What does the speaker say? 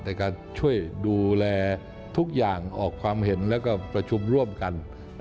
แต่การช่วยดูแลทุกอย่างออกความเห็นแล้วก็ประชุมร่วมกัน